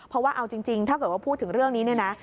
เพราะว่าเอาจริงถ้าเกิดว่าพูดถึงเรื่องนี้เนี่ยนะ